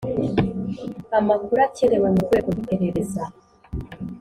amakuru akenewe mu rwego rwiperereza.